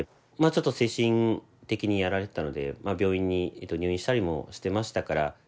ちょっと精神的にやられてたので病院に入院したりもしてましたから。